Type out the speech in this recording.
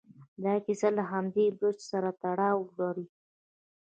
دا کیسه له همدې برج سره تړاو لري.